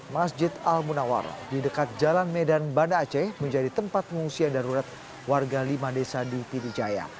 masjid al munawar di dekat jalan medan banda aceh menjadi tempat pengungsian darurat warga lima desa di pidijaya